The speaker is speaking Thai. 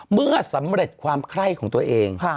เมื่อสำเร็จความไคร้ของตัวเอง